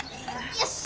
よし！